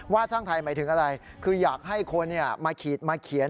สร้างไทยหมายถึงอะไรคืออยากให้คนมาขีดมาเขียน